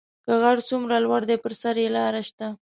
که غر څومره لوړ دی پر سر یې لار شته